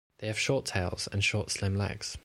They have short tails and short slim legs.